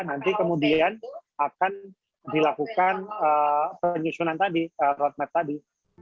nanti kemudian akan dilakukan penyusunan tadi roadmap tadi